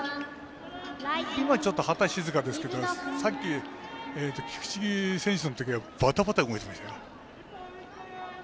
今、ちょっと旗、静かですけどさっき菊地選手のときはバタバタ動いてましたから。